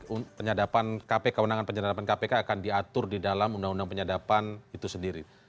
jadi penyadapan kpk kewenangan penyadapan kpk akan diatur di dalam undang undang penyadapan itu sendiri